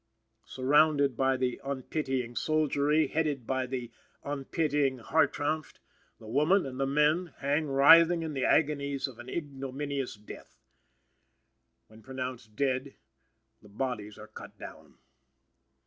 Surrounded by the unpitying soldiery, headed by the unpitying Hartranft, the woman and the men hang writhing in the agonies of an ignominious death. When pronounced dead, the bodies are cut down.